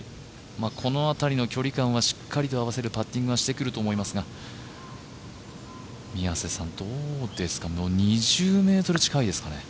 この辺りの距離感はしっかりと合わせるパッティングはしてくると思いますが、どうですかね、２０ｍ近いですかね？